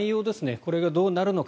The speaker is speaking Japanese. これがどうなるのか。